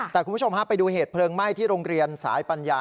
แต่คุณผู้ชมฮะไปดูเหตุเพลิงไหม้ที่โรงเรียนสายปัญญา